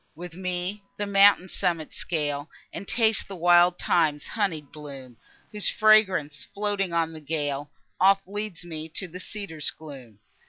With me the mountain's summit scale, And taste the wild thyme's honied bloom, Whose fragrance, floating on the gale, Oft leads me to the cedar's gloom.